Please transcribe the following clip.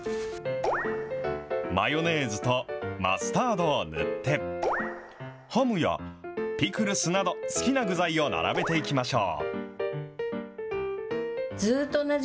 マヨネーズとマスタードを塗って、ハムやピクルスなど好きな具材を並べていきましょう。